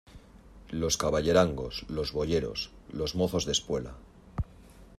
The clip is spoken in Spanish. los caballerangos, los boyeros , los mozos de espuela